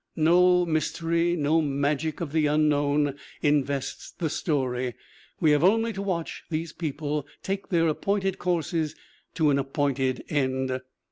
No mystery, no magic of the unknown, invests the story. We have only to watch these people take their appointed courses to an ap pointed end.